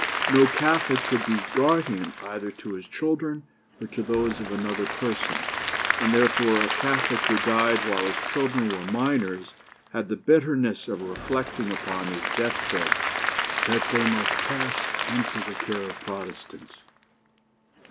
No Catholic could be guardian either to his own children or to those of another person; and therefore a Catholic who died while his children were minors had the bitterness of reflecting upon his death bed that they must pass into the care of Protestants.